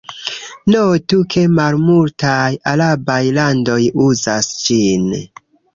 Notu, ke malmultaj arabaj landoj uzas ĝin.